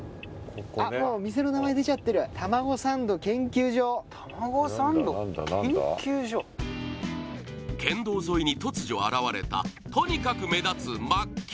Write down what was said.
あっもう店の名前出ちゃってる玉子サンド研究所県道沿いに突如現れたとにかく目立つ真っ